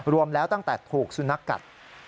รวมแล้วตั้งแต่ถูกสุนัขกัด